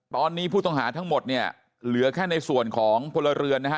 ตอนนี้ผู้ต้องหาทั้งหมดเนี่ยเหลือแค่ในส่วนของพลเรือนนะฮะ